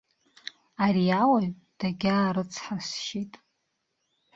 Ари ауаҩ дагьаарыцҳасшьеит.